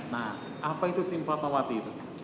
nah apa itu tim fatmawati itu